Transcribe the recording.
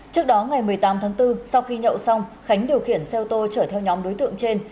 trước đó ngày một mươi tám tháng bốn sau khi nhậu xong khánh điều khiển xe ô tô chở theo nhóm đối tượng trên